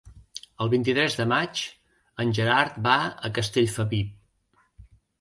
El vint-i-tres de maig en Gerard va a Castellfabib.